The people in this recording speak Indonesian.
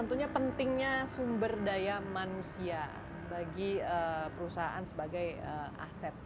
tentunya pentingnya sumber daya manusia bagi perusahaan sebagai aset